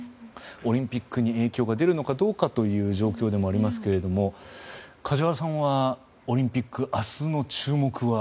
オリンピックに影響が出るのかどうかという状況でもありますが梶原さんは、オリンピック明日の注目は？